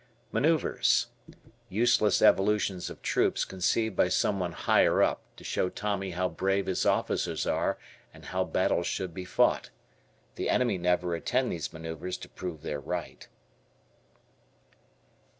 Maneuvers. Useless evolutions of troops conceived by someone higher up to show Tommy how brave his officers are and how battles should be fought. The enemy never attend these maneuvers to prove they're right.